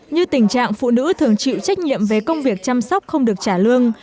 như tình trạng phụ nữ thường chịu trách nhiệm về công việc chăm sóc không được trả lương